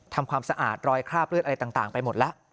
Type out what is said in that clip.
ทำความสะอาดรอยคราบเลือดอะไรต่างไปหมดแล้ว